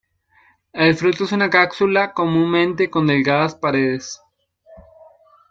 El fruto es una cápsula comúnmente con delgadas paredes.